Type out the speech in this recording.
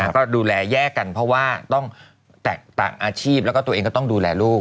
ก็ดูแลแยกกันเพราะว่าต้องแตกต่างอาชีพแล้วก็ตัวเองก็ต้องดูแลลูก